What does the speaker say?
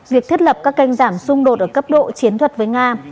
việc thiết lập các kênh giảm xung đột ở cấp độ chiến thuật với nga